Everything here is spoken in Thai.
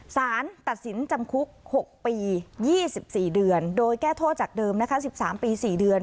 สารตัดสินจำคุก๖ปี๒๔เดือนโดยแก้โทษจากเดิมนะคะ๑๓ปี๔เดือน